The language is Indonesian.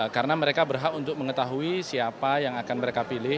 karena mereka berhak untuk mengetahui siapa yang akan mereka pilih